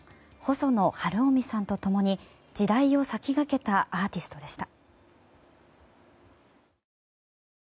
細野晴臣さんと共に時代を先駆けたアーティストでした。